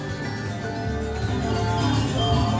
menjadi perasaan yang berbeda